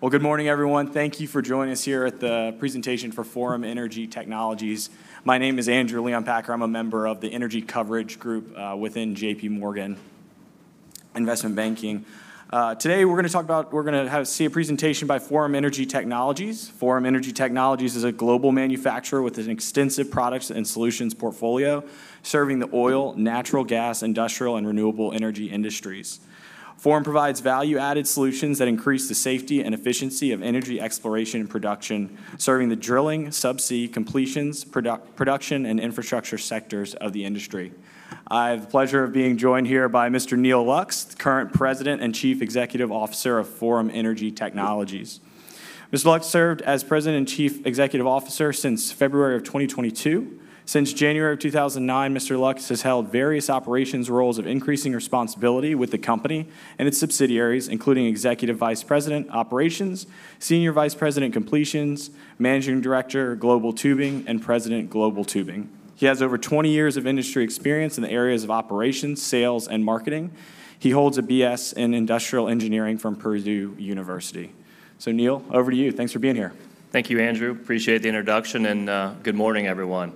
Great. Well, good morning, everyone. Thank you for joining us here at the presentation for Forum Energy Technologies. My name is Andrew Leon Packer. I'm a member of the Energy Coverage Group within J.P. Morgan Investment Banking. Today we're going to see a presentation by Forum Energy Technologies. Forum Energy Technologies is a global manufacturer with an extensive products and solutions portfolio, serving the oil, natural gas, industrial, and renewable energy industries. Forum provides value-added solutions that increase the safety and efficiency of energy exploration and production, serving the drilling, subsea completions, production, and infrastructure sectors of the industry. I have the pleasure of being joined here by Mr. Neal Lux, current President and Chief Executive Officer of Forum Energy Technologies. Mr. Lux served as President and Chief Executive Officer since February of 2022. Since January of 2009, Mr. Lux has held various operations roles of increasing responsibility with the company and its subsidiaries, including Executive Vice President, Operations, Senior Vice President, Completions, Managing Director, Global Tubing, and President, Global Tubing. He has over 20 years of industry experience in the areas of operations, sales, and marketing. He holds a B.S. in Industrial Engineering from Purdue University. So, Neal, over to you. Thanks for being here. Thank you, Andrew. Appreciate the introduction. Good morning, everyone.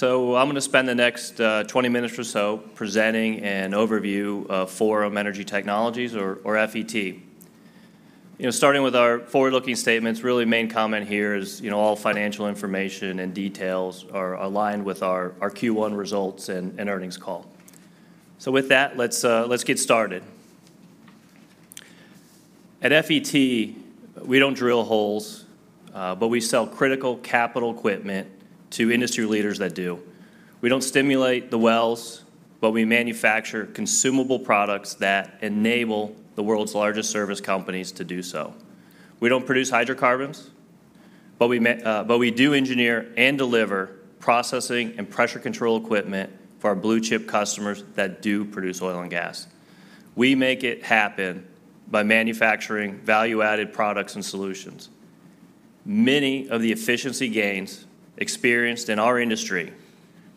I'm going to spend the next 20 minutes or so presenting an overview of Forum Energy Technologies, or FET. Starting with our forward-looking statements, really the main comment here is all financial information and details are aligned with our Q1 results and earnings call. With that, let's get started. At FET, we don't drill holes, but we sell critical capital equipment to industry leaders that do. We don't stimulate the wells, but we manufacture consumable products that enable the world's largest service companies to do so. We don't produce hydrocarbons, but we do engineer and deliver processing and pressure control equipment for our blue-chip customers that do produce oil and gas. We make it happen by manufacturing value-added products and solutions. Many of the efficiency gains experienced in our industry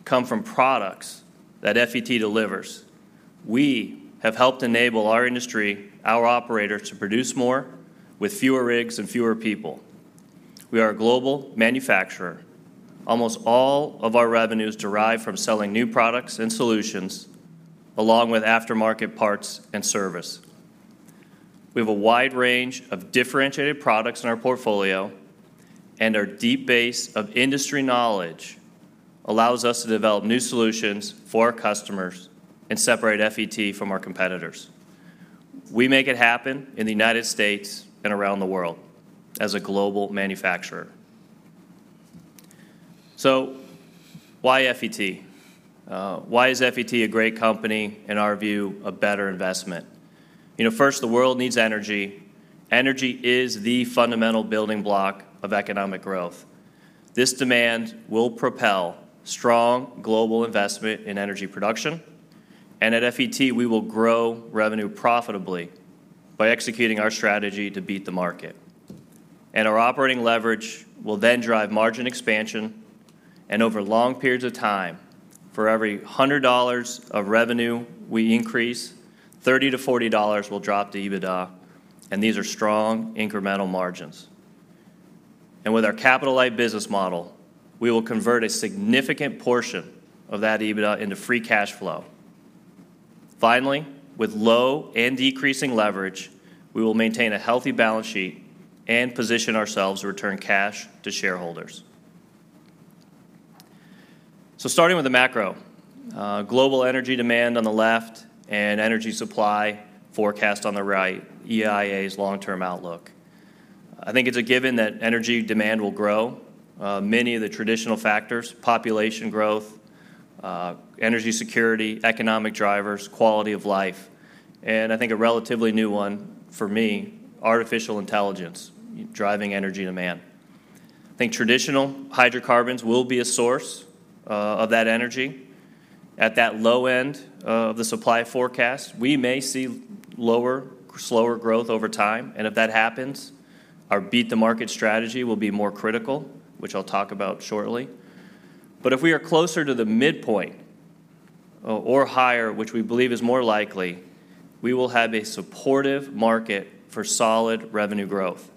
come from products that FET delivers. We have helped enable our industry, our operators, to produce more with fewer rigs and fewer people. We are a global manufacturer. Almost all of our revenues derive from selling new products and solutions, along with aftermarket parts and service. We have a wide range of differentiated products in our portfolio, and our deep base of industry knowledge allows us to develop new solutions for our customers and separate FET from our competitors. We make it happen in the United States and around the world as a global manufacturer. So why FET? Why is FET a great company and, in our view, a better investment? First, the world needs energy. Energy is the fundamental building block of economic growth. This demand will propel strong global investment in energy production. And at FET, we will grow revenue profitably by executing our strategy to beat the market. Our operating leverage will then drive margin expansion. Over long periods of time, for every $100 of revenue we increase, $30-$40 will drop to EBITDA. These are strong, incremental margins. With our capital-light business model, we will convert a significant portion of that EBITDA into free cash flow. Finally, with low and decreasing leverage, we will maintain a healthy balance sheet and position ourselves to return cash to shareholders. So starting with the macro, global energy demand on the left and energy supply forecast on the right, EIA's long-term outlook. I think it's a given that energy demand will grow. Many of the traditional factors: population growth, energy security, economic drivers, quality of life. I think a relatively new one for me, artificial intelligence, driving energy demand. I think traditional hydrocarbons will be a source of that energy. At that low end of the supply forecast, we may see lower, slower growth over time. If that happens, our beat-the-market strategy will be more critical, which I'll talk about shortly. If we are closer to the midpoint or higher, which we believe is more likely, we will have a supportive market for solid revenue growth.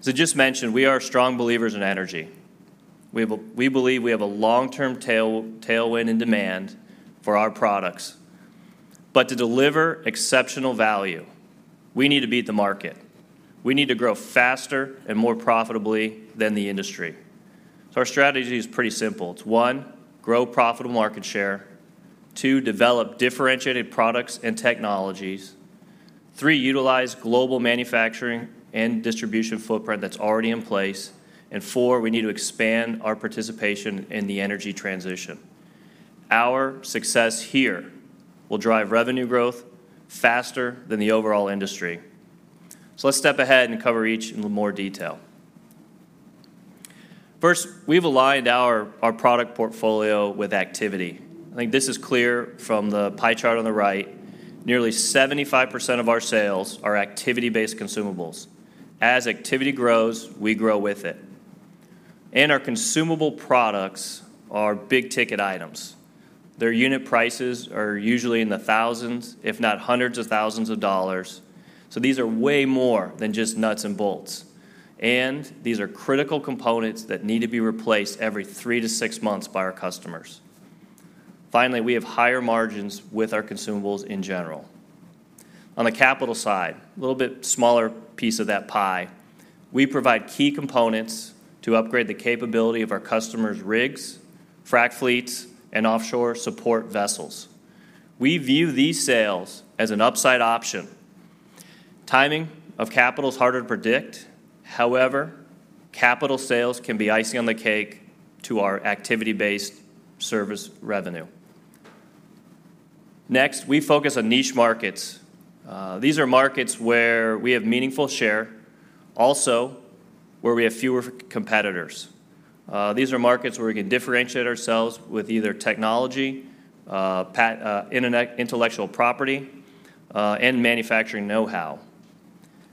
As I just mentioned, we are strong believers in energy. We believe we have a long-term tailwind in demand for our products. To deliver exceptional value, we need to beat the market. We need to grow faster and more profitably than the industry. Our strategy is pretty simple. It's one, grow profitable market share. Two, develop differentiated products and technologies. Three, utilize global manufacturing and distribution footprint that's already in place. And four, we need to expand our participation in the energy transition. Our success here will drive revenue growth faster than the overall industry. So let's step ahead and cover each in more detail. First, we've aligned our product portfolio with activity. I think this is clear from the pie chart on the right. Nearly 75% of our sales are activity-based consumables. As activity grows, we grow with it. And our consumable products are big-ticket items. Their unit prices are usually in the thousands, if not hundreds of thousands of dollars. So these are way more than just nuts and bolts. And these are critical components that need to be replaced every 3-6 months by our customers. Finally, we have higher margins with our consumables in general. On the capital side, a little bit smaller piece of that pie, we provide key components to upgrade the capability of our customers' rigs, Frac Fleets, and offshore support vessels. We view these sales as an upside option. Timing of capital is harder to predict. However, capital sales can be icing on the cake to our activity-based service revenue. Next, we focus on niche markets. These are markets where we have meaningful share, also where we have fewer competitors. These are markets where we can differentiate ourselves with either technology, intellectual property, and manufacturing know-how.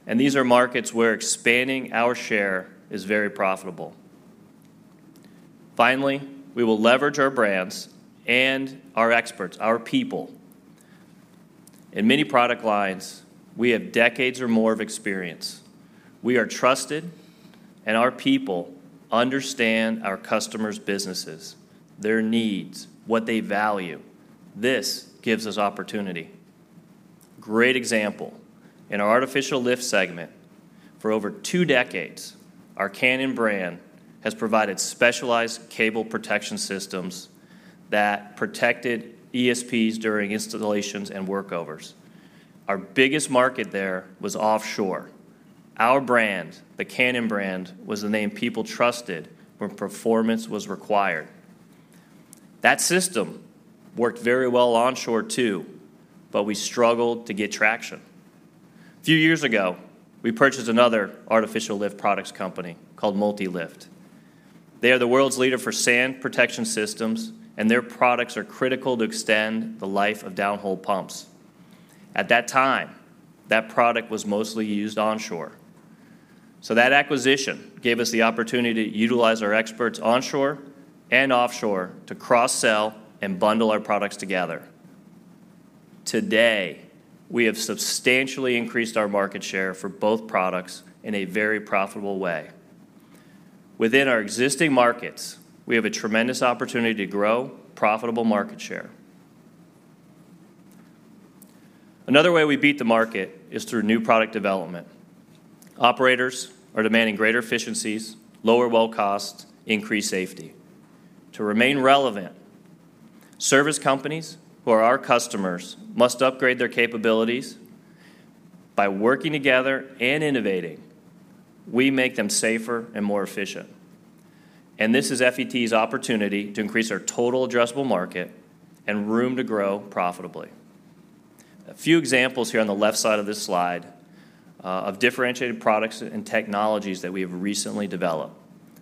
These are markets where expanding our share is very profitable. Finally, we will leverage our brands and our experts, our people. In many product lines, we have decades or more of experience. We are trusted, and our people understand our customers' businesses, their needs, what they value. This gives us opportunity. Great example. In our artificial lift segment, for over two decades, our Cannon brand has provided specialized cable protection systems that protected ESPs during installations and workovers. Our biggest market there was offshore. Our brand, the Cannon brand, was the name people trusted when performance was required. That system worked very well onshore too, but we struggled to get traction. A few years ago, we purchased another artificial lift products company called MultiLift. They are the world's leader for sand protection systems, and their products are critical to extend the life of downhole pumps. At that time, that product was mostly used onshore. So that acquisition gave us the opportunity to utilize our experts onshore and offshore to cross-sell and bundle our products together. Today, we have substantially increased our market share for both products in a very profitable way. Within our existing markets, we have a tremendous opportunity to grow profitable market share. Another way we beat the market is through new product development. Operators are demanding greater efficiencies, lower well costs, increased safety. To remain relevant, service companies who are our customers must upgrade their capabilities. By working together and innovating, we make them safer and more efficient. This is FET's opportunity to increase our total addressable market and room to grow profitably. A few examples here on the left side of this slide of differentiated products and technologies that we have recently developed.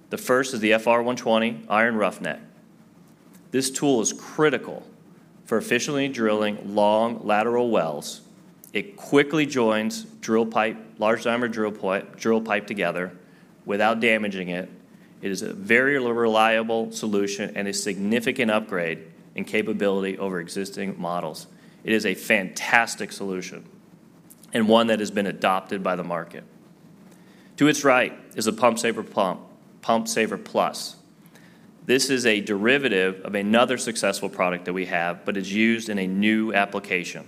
The first is the FR120 Iron Roughneck. This tool is critical for efficiently drilling long lateral wells. It quickly joins drill pipe, large diameter drill pipe together without damaging it. It is a very reliable solution and a significant upgrade in capability over existing models. It is a fantastic solution and one that has been adopted by the market. To its right is a PumpSaver Plus. This is a derivative of another successful product that we have, but it's used in a new application.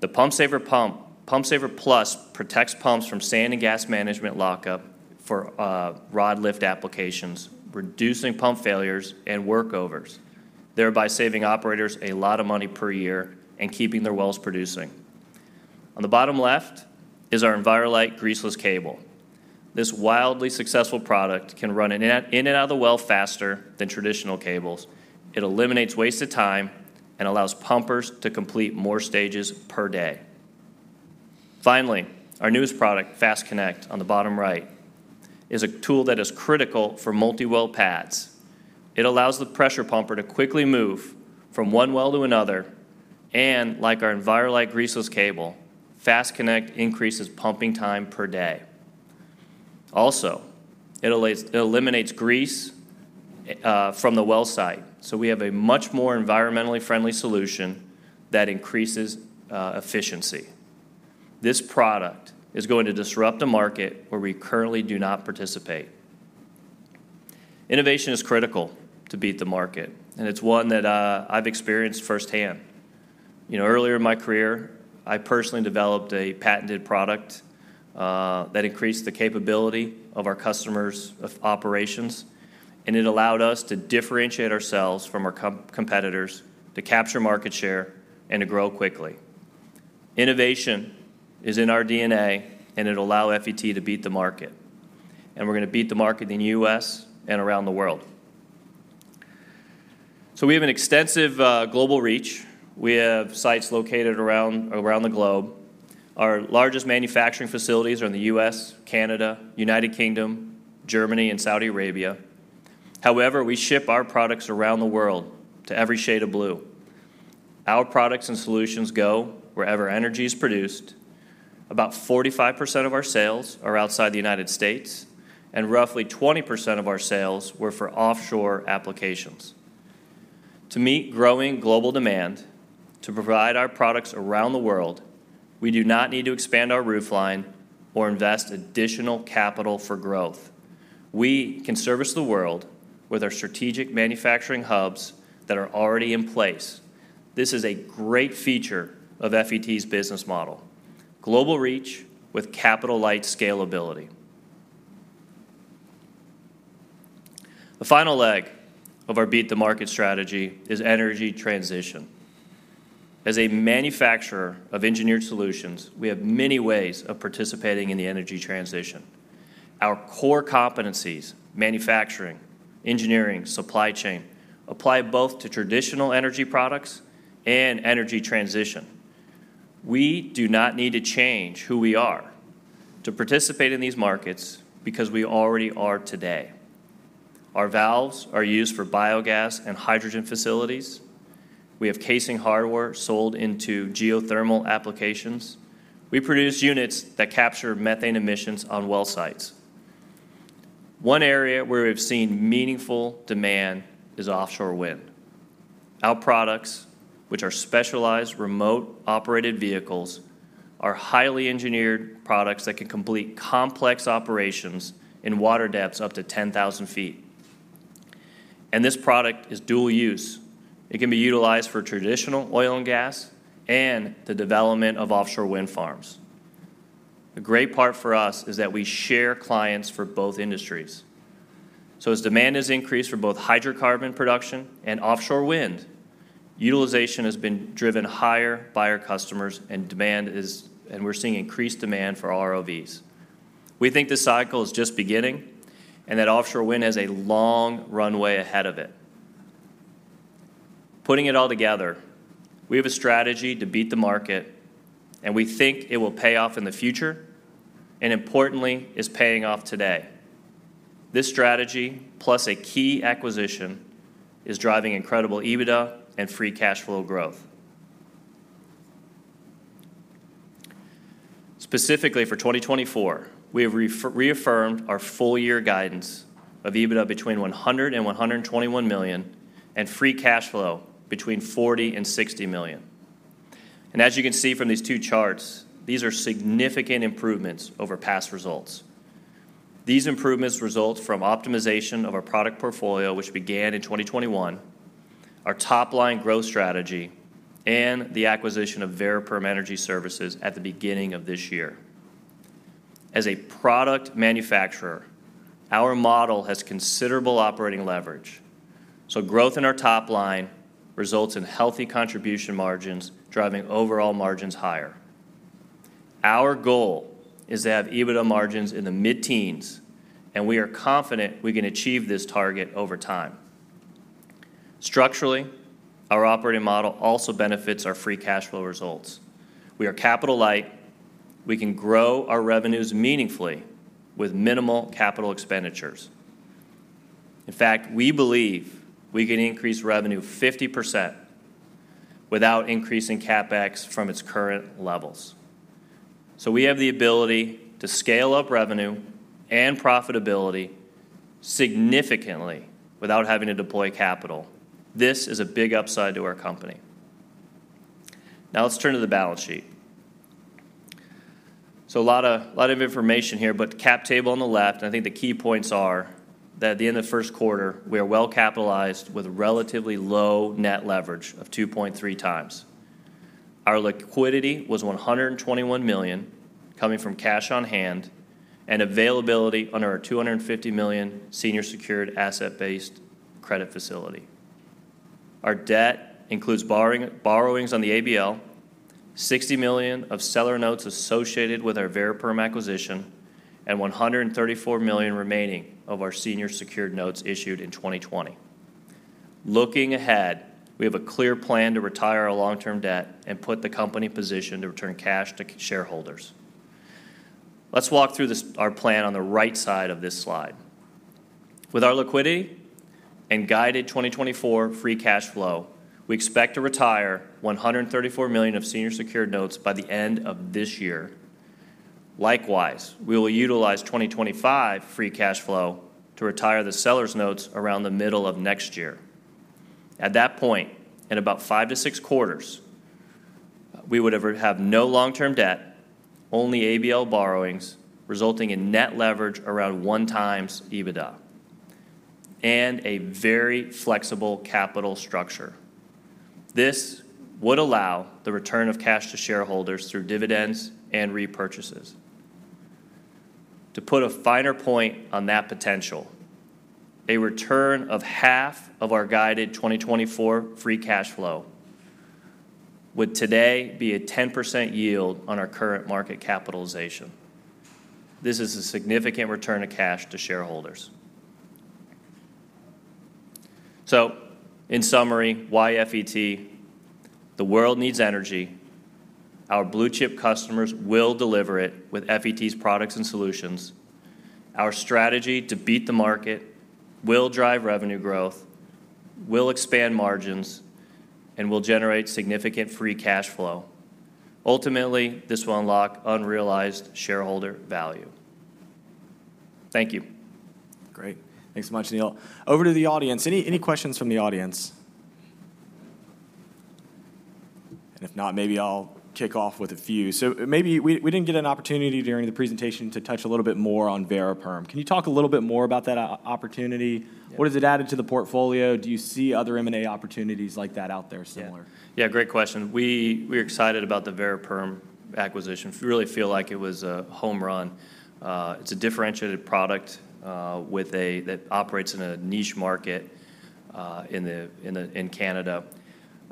The PumpSaver Plus protects pumps from sand and gas lockup for rod lift applications, reducing pump failures and workovers, thereby saving operators a lot of money per year and keeping their wells producing. On the bottom left is our Enviro-Lite greaseless cable. This wildly successful product can run in and out of the well faster than traditional cables. It eliminates wasted time and allows pumpers to complete more stages per day. Finally, our newest product, FastConnect, on the bottom right, is a tool that is critical for multi-well pads. It allows the pressure pumper to quickly move from one well to another. And like our Enviro-Lite greaseless cable, FastConnect increases pumping time per day. Also, it eliminates grease from the well site. So we have a much more environmentally friendly solution that increases efficiency. This product is going to disrupt a market where we currently do not participate. Innovation is critical to beat the market, and it's one that I've experienced firsthand. Earlier in my career, I personally developed a patented product that increased the capability of our customers' operations. It allowed us to differentiate ourselves from our competitors, to capture market share, and to grow quickly. Innovation is in our DNA, and it will allow FET to beat the market. We're going to beat the market in the U.S. and around the world. We have an extensive global reach. We have sites located around the globe. Our largest manufacturing facilities are in the U.S., Canada, United Kingdom, Germany, and Saudi Arabia. However, we ship our products around the world to every shade of blue. Our products and solutions go wherever energy is produced. About 45% of our sales are outside the United States, and roughly 20% of our sales were for offshore applications. To meet growing global demand, to provide our products around the world, we do not need to expand our footprint or invest additional capital for growth. We can service the world with our strategic manufacturing hubs that are already in place. This is a great feature of FET's business model: global reach with capital-light scalability. The final leg of our beat-the-market strategy is energy transition. As a manufacturer of engineered solutions, we have many ways of participating in the energy transition. Our core competencies, manufacturing, engineering, and supply chain, apply both to traditional energy products and energy transition. We do not need to change who we are to participate in these markets because we already are today. Our valves are used for biogas and hydrogen facilities. We have casing hardware sold into geothermal applications. We produce units that capture methane emissions on well sites. One area where we've seen meaningful demand is offshore wind. Our products, which are specialized remote-operated vehicles, are highly engineered products that can complete complex operations in water depths up to 10,000 feet. This product is dual use. It can be utilized for traditional oil and gas and the development of offshore wind farms. A great part for us is that we share clients for both industries. As demand has increased for both hydrocarbon production and offshore wind, utilization has been driven higher by our customers, and we're seeing increased demand for ROVs. We think the cycle is just beginning and that offshore wind has a long runway ahead of it. Putting it all together, we have a strategy to beat the market, and we think it will pay off in the future. Importantly, it's paying off today. This strategy, plus a key acquisition, is driving incredible EBITDA and free cash flow growth. Specifically for 2024, we have reaffirmed our full-year guidance of EBITDA between $100 million and $121 million and free cash flow between $40 million and $60 million. As you can see from these two charts, these are significant improvements over past results. These improvements result from optimization of our product portfolio, which began in 2021, our top-line growth strategy, and the acquisition of Variperm Energy Services at the beginning of this year. As a product manufacturer, our model has considerable operating leverage. Growth in our top line results in healthy contribution margins, driving overall margins higher. Our goal is to have EBITDA margins in the mid-teens, and we are confident we can achieve this target over time. Structurally, our operating model also benefits our free cash flow results. We are capital-light. We can grow our revenues meaningfully with minimal capital expenditures. In fact, we believe we can increase revenue 50% without increasing CapEx from its current levels. So we have the ability to scale up revenue and profitability significantly without having to deploy capital. This is a big upside to our company. Now let's turn to the balance sheet. So a lot of information here, but cap table on the left. And I think the key points are that at the end of the Q1, we are well capitalized with relatively low net leverage of 2.3 times. Our liquidity was $121 million, coming from cash on hand and availability under our $250 million senior secured asset-based credit facility. Our debt includes borrowings on the ABL, $60 million of seller notes associated with our Variperm acquisition, and $134 million remaining of our senior secured notes issued in 2020. Looking ahead, we have a clear plan to retire our long-term debt and put the company position to return cash to shareholders. Let's walk through our plan on the right side of this slide. With our liquidity and guided 2024 free cash flow, we expect to retire $134 million of senior secured notes by the end of this year. Likewise, we will utilize 2025 free cash flow to retire the seller's notes around the middle of next year. At that point, in about 5-6 quarters, we would have no long-term debt, only ABL borrowings, resulting in net leverage around 1x EBITDA and a very flexible capital structure. This would allow the return of cash to shareholders through dividends and repurchases. To put a finer point on that potential, a return of half of our guided 2024 free cash flow would today be a 10% yield on our current market capitalization. This is a significant return of cash to shareholders. So in summary, why FET? The world needs energy. Our blue-chip customers will deliver it with FET's products and solutions. Our strategy to beat the market will drive revenue growth, will expand margins, and will generate significant free cash flow. Ultimately, this will unlock unrealized shareholder value. Thank you. Great. Thanks so much, Neal. Over to the audience. Any questions from the audience? If not, maybe I'll kick off with a few. Maybe we didn't get an opportunity during the presentation to touch a little bit more on Variperm. Can you talk a little bit more about that opportunity? What has it added to the portfolio? Do you see other M&A opportunities like that out there similar? Yeah, great question. We're excited about the Variperm acquisition. We really feel like it was a home run. It's a differentiated product that operates in a niche market in Canada.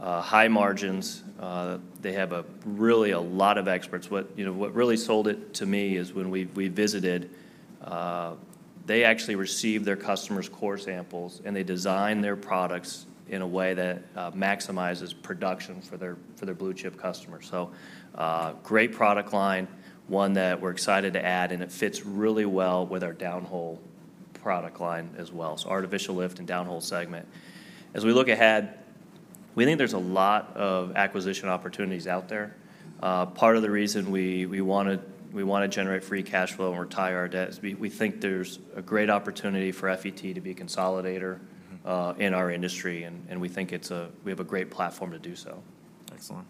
High margins. They have really a lot of experts. What really sold it to me is when we visited, they actually received their customers' core samples, and they design their products in a way that maximizes production for their blue-chip customers. So great product line, one that we're excited to add, and it fits really well with our downhole product line as well, so artificial lift and downhole segment. As we look ahead, we think there's a lot of acquisition opportunities out there. Part of the reason we want to generate free cash flow and retire our debt is we think there's a great opportunity for FET to be a consolidator in our industry, and we think we have a great platform to do so. Excellent.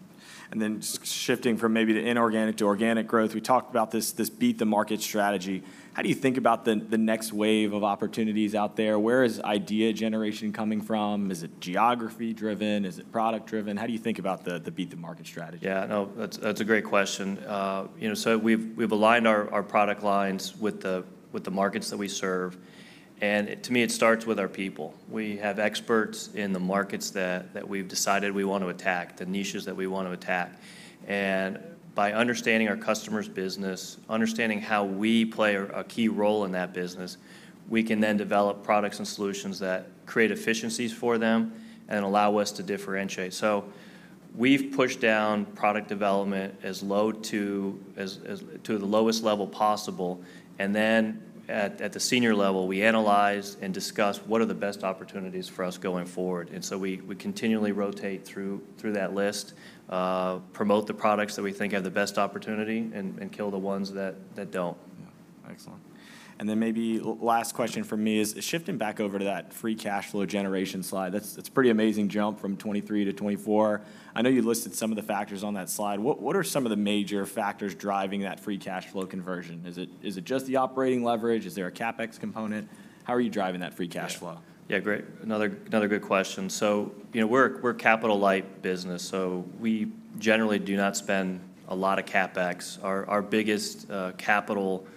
And then shifting from maybe the inorganic to organic growth, we talked about this beat-the-market strategy. How do you think about the next wave of opportunities out there? Where is idea generation coming from? Is it geography-driven? Is it product-driven? How do you think about the beat-the-market strategy? Yeah, no, that's a great question. So we've aligned our product lines with the markets that we serve. And to me, it starts with our people. We have experts in the markets that we've decided we want to attack, the niches that we want to attack. And by understanding our customers' business, understanding how we play a key role in that business, we can then develop products and solutions that create efficiencies for them and allow us to differentiate. So we've pushed down product development to the lowest level possible. And then at the senior level, we analyze and discuss what are the best opportunities for us going forward. And so we continually rotate through that list, promote the products that we think have the best opportunity, and kill the ones that don't. Excellent. And then maybe last question for me is shifting back over to that free cash flow generation slide. That's a pretty amazing jump from 2023 to 2024. I know you listed some of the factors on that slide. What are some of the major factors driving that free cash flow conversion? Is it just the operating leverage? Is there a CapEx component? How are you driving that free cash flow? Yeah, great. Another good question. So we're a capital-light business, so we generally do not spend a lot of CapEx. Our biggest capital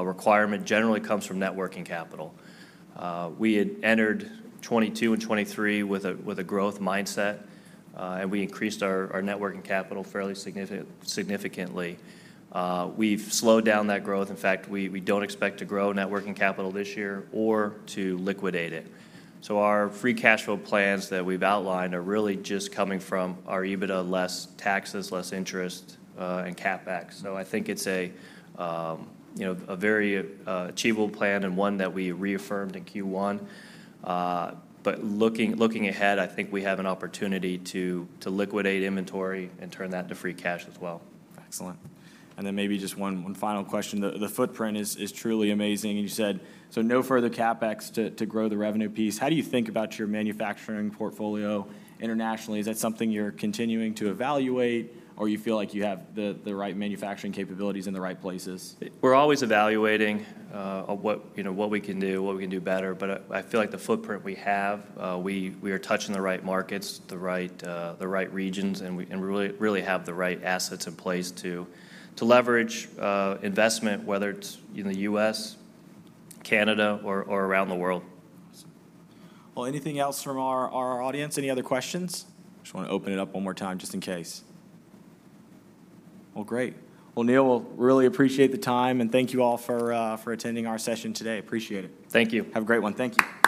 requirement generally comes from working capital. We had entered 2022 and 2023 with a growth mindset, and we increased our working capital fairly significantly. We've slowed down that growth. In fact, we don't expect to grow working capital this year or to liquidate it. So our free cash flow plans that we've outlined are really just coming from our EBITDA, less taxes, less interest, and CapEx. So I think it's a very achievable plan and one that we reaffirmed in Q1. But looking ahead, I think we have an opportunity to liquidate inventory and turn that to free cash as well. Excellent. And then maybe just one final question. The footprint is truly amazing. And you said, so no further CapEx to grow the revenue piece. How do you think about your manufacturing portfolio internationally? Is that something you're continuing to evaluate, or you feel like you have the right manufacturing capabilities in the right places? We're always evaluating what we can do, what we can do better. But I feel like the footprint we have, we are touching the right markets, the right regions, and we really have the right assets in place to leverage investment, whether it's in the U.S., Canada, or around the world. Well, anything else from our audience? Any other questions? I just want to open it up one more time just in case. Well, great. Well, Neal, we'll really appreciate the time. Thank you all for attending our session today. Appreciate it. Thank you. Have a great one. Thank you.